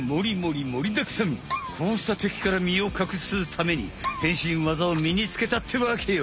こうしたてきからみをかくすために変身技をみにつけたってわけよ。